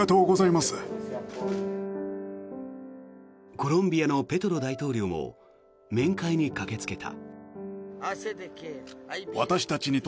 コロンビアのペトロ大統領も面会に駆けつけた。